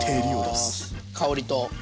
香りと。